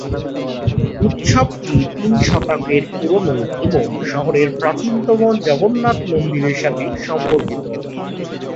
উৎসবটি তিন শতকের পুরানো এবং শহরের প্রাচীনতম জগন্নাথ মন্দিরের সাথে সম্পর্কিত।